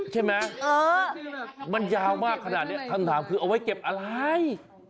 ใช่ไหมมันยาวมากขนาดนี้คำถามคือเอาไว้เก็บอะไร